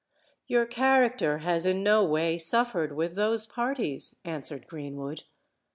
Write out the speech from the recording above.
"Your character has in no way suffered with those parties," answered Greenwood.